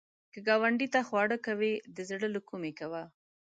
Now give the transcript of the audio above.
که ګاونډي ته خواړه کوې، د زړه له کومي کوه